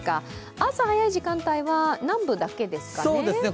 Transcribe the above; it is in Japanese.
朝早い時間帯は南部だけですかね。